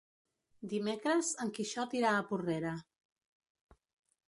Dimecres en Quixot irà a Porrera.